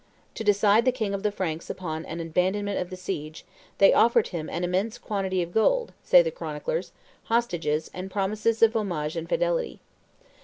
To decide the king of the Franks upon an abandonment of the siege, they offered him "an immense quantity of gold," say the chroniclers, hostages, and promises of homage and fidelity.